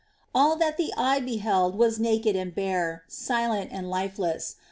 All that the eye beheld was naked and bare, silent and lifeless.